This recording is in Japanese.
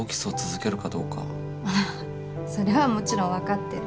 それはもちろん分かってる。